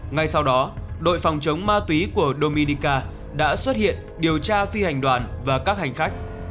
ngay sau đó đội phòng chống ma túy của dominica đã xuất hiện điều tra phi hành đoàn và các hành khách